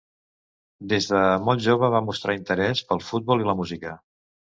Des de molt jove va mostrar interès pel futbol i la música.